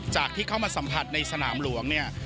ที่เข้ามาสัมผัสในสนามหลวงเนี่ย